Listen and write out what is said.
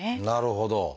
なるほど。